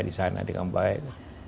di sana dengan baik